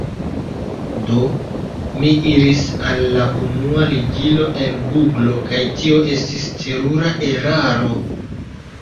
Do, mi iris al la unua ligilo en guglo kaj tio estis terura eraro.